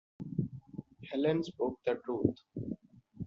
Helene spoke the truth.